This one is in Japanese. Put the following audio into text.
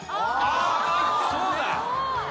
そうだ。